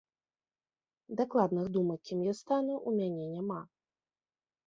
Дакладных думак, кім я стану, у мяне няма.